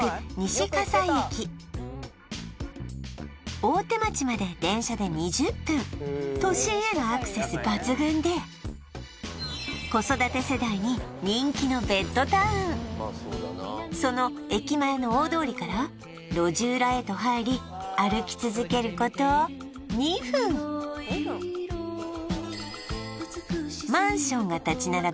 大手町まで電車で２０分都心へのアクセス抜群でその駅前の大通りから路地裏へと入り歩き続けること２分マンションが立ち並ぶ